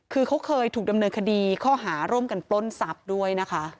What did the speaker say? คือเขาเคยถูกดำเนินคดีข้อหาร่วมกันปล้นทรัพย์ด้วยนะคะ